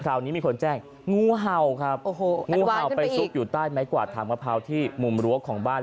คราวนี้มีคนแจ้งงูเห่าครับโอ้โหงูเห่าไปซุกอยู่ใต้ไม้กวาดทางมะพร้าวที่มุมรั้วของบ้าน